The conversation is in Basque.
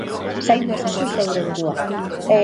Zaindu ezazu zeure burua.